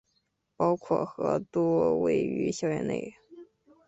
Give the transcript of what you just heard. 包括和都位于校园内。